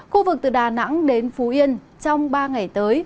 khu vực từ đà nẵng đến phú yên trong ba ngày tới